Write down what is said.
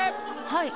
はい。